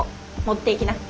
持っていきな。